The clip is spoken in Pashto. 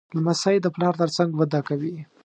لمسی د پلار تر څنګ وده کوي.